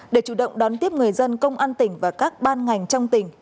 để chủ động đón tiếp người dân công an tỉnh và các ban ngành trong tỉnh